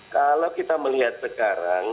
kalau kita melihat sekarang